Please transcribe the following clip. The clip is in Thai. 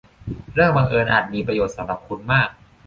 เรื่องบังเอิญอาจมีประโยชน์สำหรับคุณมาก